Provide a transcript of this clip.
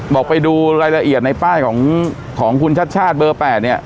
บอกไปดูรายละเอียดในป้ายของคุณชัดชาติเบอร์๘เนี่ย